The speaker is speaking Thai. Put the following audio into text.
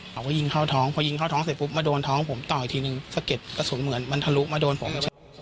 เขาก็ยิงเขาท้องพอยิงเขาท้องเสร็จปุ๊บมาโดนท้องผมต่ออีกทีหนึ่ง